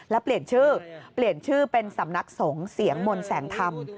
และเปลี่ยนชื่อเปลี่ยนชื่อเป็นสำนักสงฆ์เสียงมนต์แสงธรรม